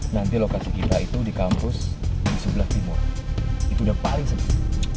nanti lokasi kita itu di kampus di sebelah timur itu udah paling sempit